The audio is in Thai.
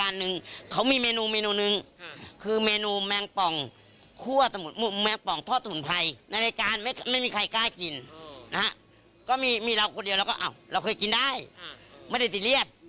เราเคยกินได้ไม่ได้ซีเรียส